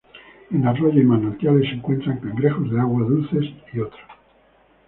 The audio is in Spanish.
En arroyos y manantiales se encuentran cangrejos de agua dulce y otros.